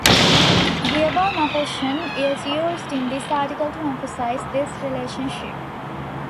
The above notation is used in this article to emphasize this relationship.